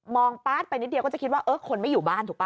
อป๊าดไปนิดเดียวก็จะคิดว่าเออคนไม่อยู่บ้านถูกป่